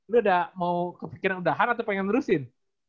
lu ada mau kepikiran udahan atau pengen nerusin